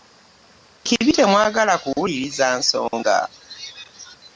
Ekibi temwagala kuwuliriza nsonga.